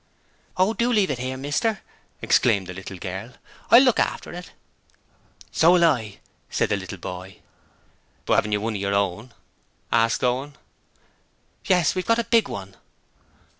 'Oh, do leave it 'ere, mister,' exclaimed the little girl. 'I'll look after it.' 'So will I,' said the boy. 'But haven't you one of your own?' asked Owen. 'Yes; we've got a big one.'